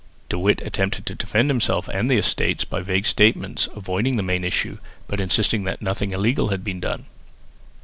De Witt attempted to defend himself and the Estates, by vague statements, avoiding the main issue, but insisting that nothing illegal had been done.